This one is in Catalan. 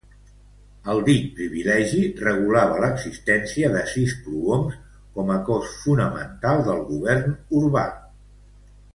El dit privilegi regulava l'existència de sis prohoms com a cos fonamental del govern urbà.